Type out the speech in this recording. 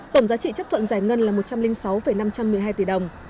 tổng giá trị chấp thuận giải ngân là một trăm linh sáu năm trăm một mươi hai tỷ đồng